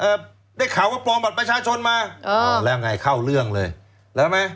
เอ่อได้ข่าวว่าโปรบัติประชาชนมาเออแล้วไงเข้าเรื่องเลยแล้วมั้ย